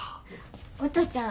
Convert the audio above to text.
お父ちゃん